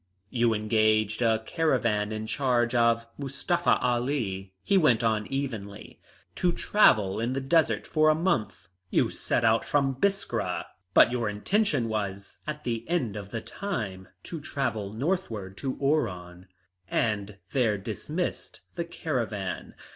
"You engaged a caravan in charge of Mustafa Ali," he went on evenly, "to travel in the desert for a month. You set out from Biskra, but your intention was at the end of the time to travel northward to Oran and there dismiss the caravan.